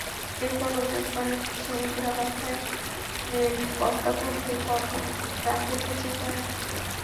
এরপর ওজন করে শ্রমিকেরা মাথায় নিয়ে বস্তাবন্দী পণ্য ট্রাকে বোঝাই করেন।